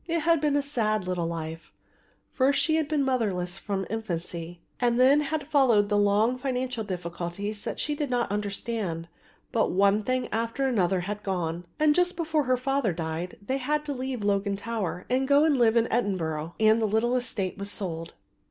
It had been a sad little life; first she had been motherless from infancy and then had followed the long financial difficulties that she did not understand; but one thing after another had gone; and just before her father died they had had to leave Logan Tower and go and live in Edinburgh; and the little estate was sold.